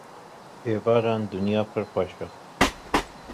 Êvaran dûnya pir xweş e